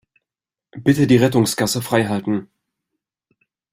Bitte die Rettungsgasse freihalten.